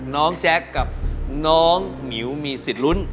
แจ๊คกับน้องหมิวมีสิทธิ์ลุ้น